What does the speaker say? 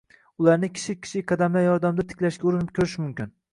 ularni kichik-kichik qadamlar yordamida tiklashga urinib ko‘rish mumkin.